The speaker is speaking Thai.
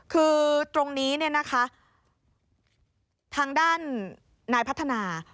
คือตรงนี้เนี่ยนะคะทางด้านนายพัฒนา